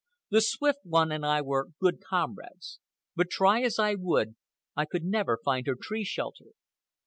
The Swift One and I were good comrades, but, try as I would, I could never find her tree shelter.